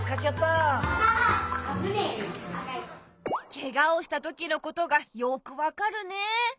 ケガをしたときのことがよく分かるね。